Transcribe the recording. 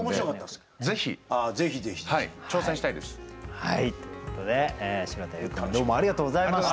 ぜひ挑戦したいです。ということで城田優君どうもありがとうございました。